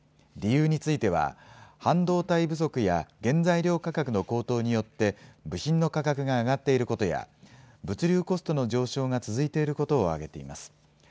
理由については、半導体不足や原材料価格の高騰によって、部品の価格が上がっていることや、物流コストの上昇が続いていることを挙げています。